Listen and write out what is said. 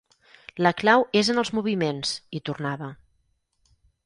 La clau és en els moviments —hi tornava—.